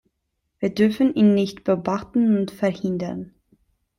Wir dürfen ihn nicht beobachten und verhindern.